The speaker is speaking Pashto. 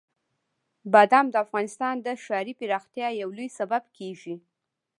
بادام د افغانستان د ښاري پراختیا یو لوی سبب کېږي.